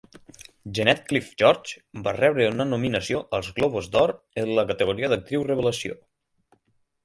Jeanette Cliff George va rebre una nominació als Globus d'Or en la categoria d'actriu revelació.